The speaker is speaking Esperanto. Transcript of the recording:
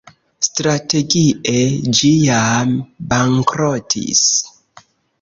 Strategie, ĝi jam bankrotis.